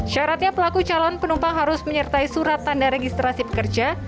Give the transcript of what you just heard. syaratnya pelaku calon penumpang harus menyertai surat tanda registrasi pekerja